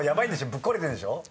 ぶっ壊れてるんでしょ？